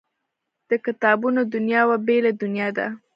د کتابونو دنیا یوه بېله دنیا ده